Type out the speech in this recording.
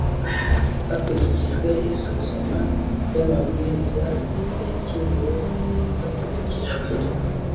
hakurikijwe isuzuma ry amabwiriza yakiriwe hakurikijwe